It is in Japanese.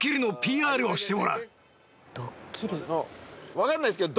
わかんないですけど。